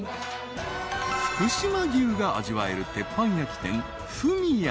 ［福島牛が味わえる鉄板焼き店］